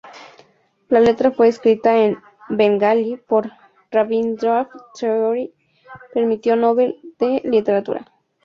La letra fue escrita en bengalí por Rabindranath Tagore, Premio Nobel de literatura.